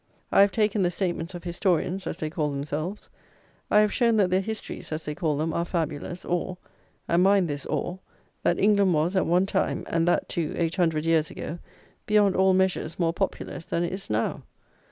I have taken the statements of historians, as they call themselves: I have shown that their histories, as they call them, are fabulous; OR (and mind this or) that England was, at one time, and that too, eight hundred years ago, beyond all measure more populous than it is now.